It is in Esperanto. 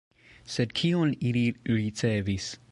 Sed kion ili ricevis?